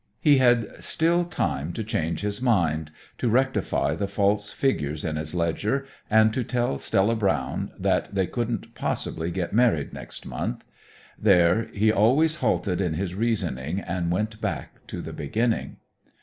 He had still time to change his mind, to rectify the false figures in his ledger, and to tell Stella Brown that they couldn't possibly get married next month. There he always halted in his reasoning, and went back to the beginning.